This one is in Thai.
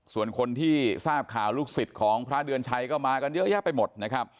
ส่วนคนที่ทราบข่าวลูกศิษย์ของพระเดือนชัยก็มากันเยอะแยะไปหมดนะครับ